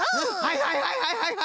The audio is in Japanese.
はいはいはいはいっと。